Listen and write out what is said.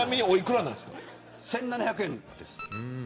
１７００円です。